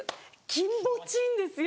気持ちいいんですよ。